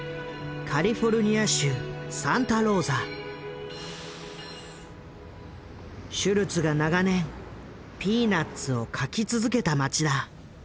カリフォルニア州シュルツが長年「ピーナッツ」を描き続けた町だ。